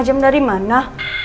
lima jam dari mana